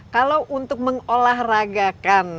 kalau untuk mengolahragakan